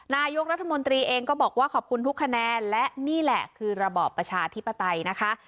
นายกรัฐมนตรีเองก็บอกว่าขอบคุณทุกคะแนนและนี่แหละคือระบอบประชาธิปไตยนะคะ